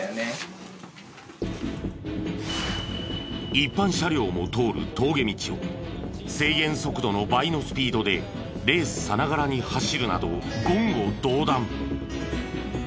一般車両も通る峠道を制限速度の倍のスピードでレースさながらに走るなど言語道断。